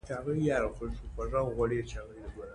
يو له بل سره بدلې شوې،